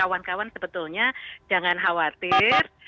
dan kawan kawan sebetulnya jangan khawatir